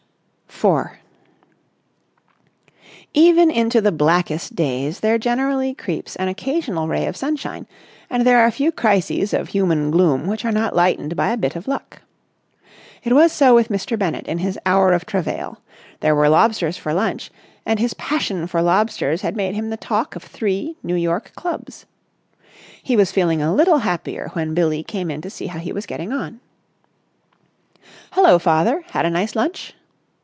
§ 4 Even into the blackest days there generally creeps an occasional ray of sunshine, and there are few crises of human gloom which are not lightened by a bit of luck. It was so with Mr. Bennett in his hour of travail. There were lobsters for lunch, and his passion for lobsters had made him the talk of three New York clubs. He was feeling a little happier when Billie came in to see how he was getting on. "Hullo, father. Had a nice lunch?"